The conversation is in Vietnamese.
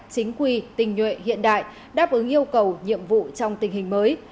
chính quy tình nhuệ hiện đại đáp ứng yêu cầu nhiệm vụ trong tình hình mới